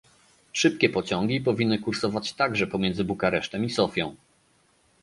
Szybkie pociągi powinny kursować także pomiędzy Bukaresztem i Sofią